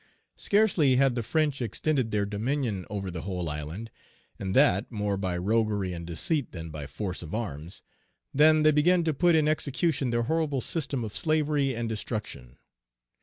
"Scarcely had the French extended their dominion over the whole island, and that more by roguery and deceit than by force of arms, than they began to put in execution their horrible system of slavery and destruction.